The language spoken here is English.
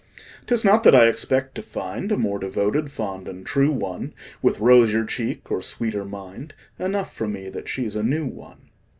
'Tis not that I expect to find A more devoted, fond and true one, With rosier cheek or sweeter mind Enough for me that she's a new one.